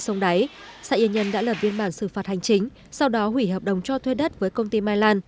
sau đó xã yên nhân đã lập viên bản xử phạt hành chính sau đó hủy hợp đồng cho thuê đất với công ty mai lan